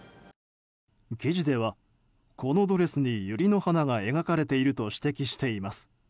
記事では、このドレスに百合の花が描かれていると指摘しています。